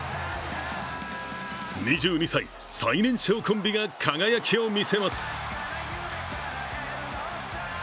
２２歳、最年少コンビが輝きを見せます。